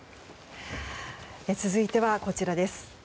続いてはこちらです。